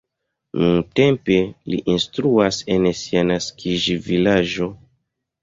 Nuntempe li instruas en sia naskiĝvilaĝo.